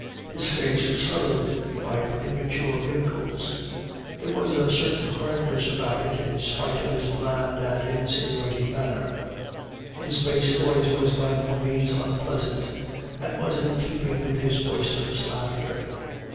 His face was furrowed by premature wrinkles; there was a certain hardness about it in spite of his bland and insinuating manner. His bass voice was by no means unpleasant, and was in keeping with his boisterous laughter.